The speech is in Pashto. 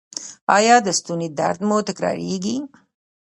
ایا د ستوني درد مو تکراریږي؟